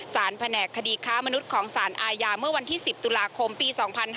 แผนกคดีค้ามนุษย์ของสารอาญาเมื่อวันที่๑๐ตุลาคมปี๒๕๕๙